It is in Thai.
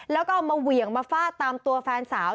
แล้วก็เอามาเหวี่ยงมาฟาดตามตัวแฟนสาว